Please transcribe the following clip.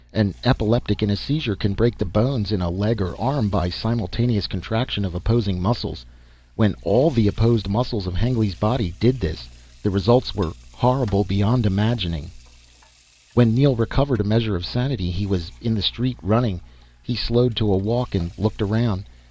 An epileptic in a seizure can break the bones in a leg or arm by simultaneous contraction of opposing muscles. When all the opposed muscles of Hengly's body did this the results were horrible beyond imagining. When Neel recovered a measure of sanity he was in the street, running. He slowed to a walk, and looked around.